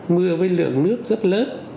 mưa với lượng nước rất lớn